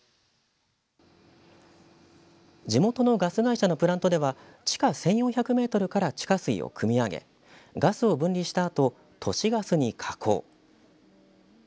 地元のガス会社のプラントでは地下１４００メートルから地下水をくみ上げガスを分離したあと都市ガスに加工。